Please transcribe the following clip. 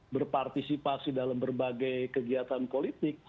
berpartisipasi dalam berbagai kegiatan politik